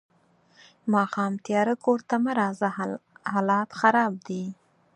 ماښام تیارۀ کور ته مه راځه حالات خراب دي.